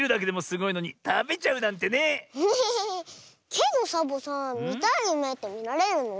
けどサボさんみたいゆめってみられるの？